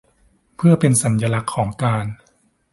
เพื่อเป็นสัญลักษณ์ของการ